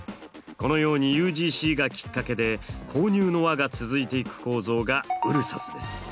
このようにＵＧＣがきっかけで購入の輪が続いていく構造がＵＬＳＳＡＳです。